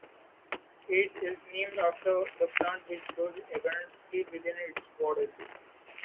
It is named after the plant which grows abundantly within its borders.